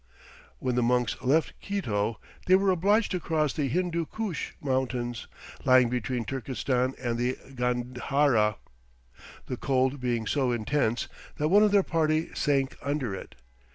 ] When the monks left Kito, they were obliged to cross the Hindoo Koosh mountains, lying between Turkestan and the Gandhara, the cold being so intense that one of their party sank under it.